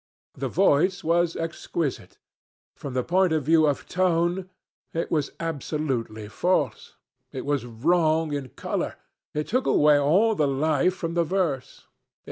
The voice was exquisite, but from the point of view of tone it was absolutely false. It was wrong in colour. It took away all the life from the verse.